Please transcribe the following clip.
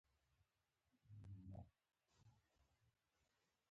په رڼاګانو کې رانغښي لوګي